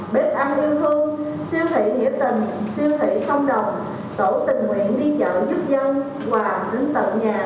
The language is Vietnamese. tình nguyện viên trợ giúp dân quà tính tận nhà